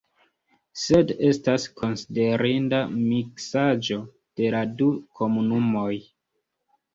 Sed estas konsiderinda miksaĵo de la du komunumoj.